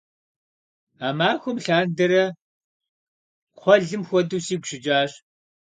А махуэм лъандэрэ кхъуэлым хуэдэу сигу щыкӏащ.